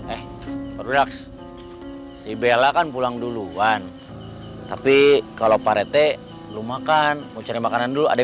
eh beraks ibel akan pulang duluan tapi kalau parete belum makan mau cari makanan dulu ada